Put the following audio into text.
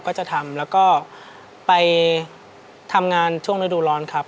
ก็จะทำแล้วก็ไปทำงานช่วงฤดูร้อนครับ